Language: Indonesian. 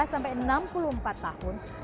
lima sampai enam puluh empat tahun